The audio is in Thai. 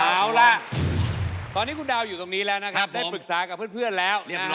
เอาล่ะตอนนี้คุณดาวอยู่ตรงนี้แล้วนะครับได้ปรึกษากับเพื่อนแล้ว